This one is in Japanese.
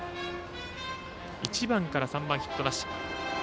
１番から３番ヒットなし。